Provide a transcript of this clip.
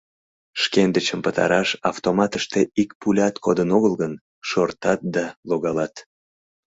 Шкендычым пытараш автоматыште ик пулят кодын огыл гын, шортат да логалат.